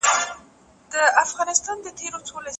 له تیارو را څرګندیږي لمر خو هسي وي کنه